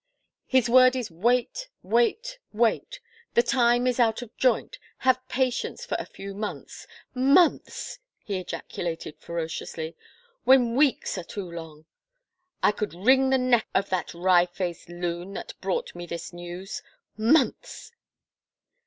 " His word is wait — wait — wait ! The time is out of joint — have patience for a few months — months/' he ejaculated ferociously, " when weeks are too long! I could wring the neck of that wry faced loon that brought me this news. ,.. Months